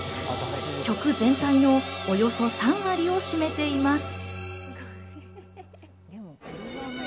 曲全体のおよそ３割を占めています。